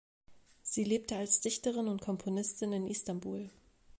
Sie lebte als Dichterin und Komponistin in Istanbul.